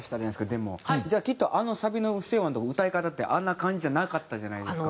じゃあきっとあのサビの「うっせぇわ」のとこの歌い方ってあんな感じじゃなかったじゃないですか。